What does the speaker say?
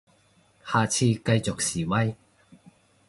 下次繼續示威